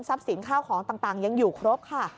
สินข้าวของต่างยังอยู่ครบค่ะ